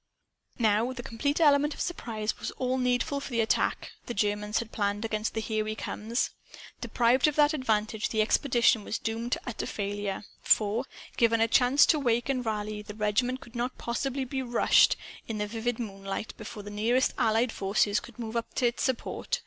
Now, the complete element of surprise was all needful for the attack the Germans had planned against the "Here We Comes." Deprived of that advantage the expedition was doomed to utter failure. For, given a chance to wake and to rally, the regiment could not possibly be "rushed," in vivid moonlight, before the nearest Allied forces could move up to its support.